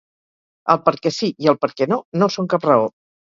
El 'perquè sí' i el 'perquè no' no són cap raó.